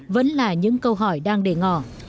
vẫn là những câu hỏi đang đề ngỏ